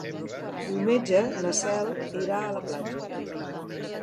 Diumenge na Cel irà a la platja.